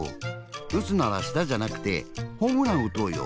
うつならしたじゃなくてホームランうとうよ。